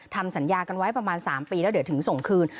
ทำสัญญากันไว้ประมาณ๓ปีแล้วเดี๋ยวถึงส่งคืน